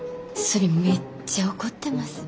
それめっちゃ怒ってます。